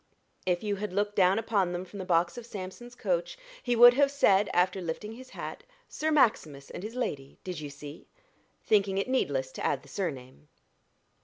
If you had looked down upon them from the box of Sampson's coach, he would have said, after lifting his hat, "Sir Maximus and his lady did you see?" thinking it needless to add the surname.